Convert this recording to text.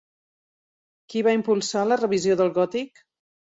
Qui va impulsar la revisió del gòtic?